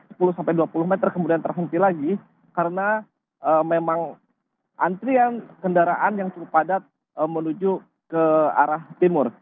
sekitar sepuluh sampai dua puluh meter kemudian terhenti lagi karena memang antrian kendaraan yang cukup padat menuju ke arah timur